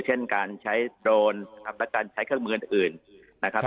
เช่นการใช้โดรนนะครับและการใช้เครื่องมืออื่นนะครับ